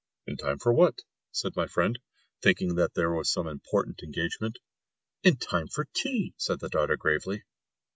"In time for what?" said my friend, thinking that there was some important engagement. "In time for tea!" said the daughter gravely.